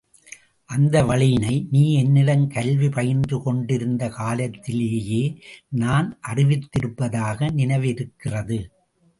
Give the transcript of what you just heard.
அந்த வழியினை, நீ என்னிடம் கல்வி பயின்று கொண்டிருந்த காலத்திலேயே நான் அறிவித்திருப்பதாக நினைவிருக்கிறது.